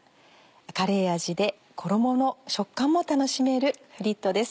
カレー味で衣の食感も楽しめるフリットです。